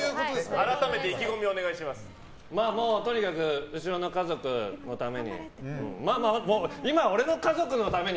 改めてとにかく後ろの家族のために。